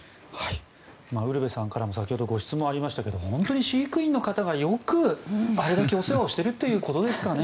ウルヴェさんからも先ほどご質問がありましたが本当に飼育員の方がよくあれだけお世話をしてるってことですかね。